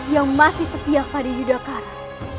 yang masih setia pada yudakara